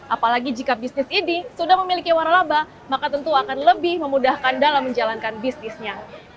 apalagi jika bisnis ini sudah memiliki warna laba maka tentu akan lebih memudahkan dalam menjalankan bisnisnya